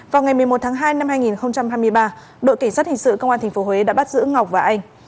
vào ngày một mươi một tháng hai năm hai nghìn hai mươi ba đội cảnh sát hình sự công an tp huế đã bắt giữ ngọc và anh